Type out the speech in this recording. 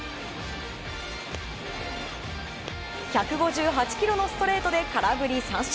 １５８キロのストレートで空振り三振。